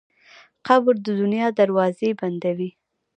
قبر د دنیا دروازې بندوي.